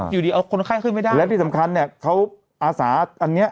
อยู่ดีเอาคนไข้ขึ้นไม่ได้และที่สำคัญเนี่ยเขาอาสาอันเนี้ย